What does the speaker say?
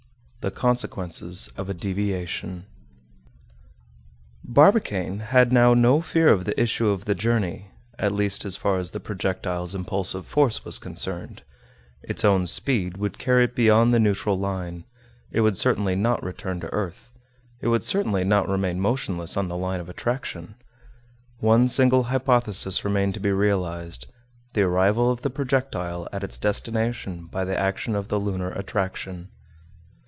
THE CONSEQUENCES OF A DEVIATION Barbicane had now no fear of the issue of the journey, at least as far as the projectile's impulsive force was concerned; its own speed would carry it beyond the neutral line; it would certainly not return to earth; it would certainly not remain motionless on the line of attraction. One single hypothesis remained to be realized, the arrival of the projectile at its destination by the action of the lunar attraction.